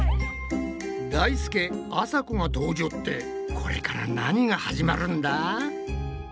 だいすけあさこが登場ってこれから何が始まるんだ？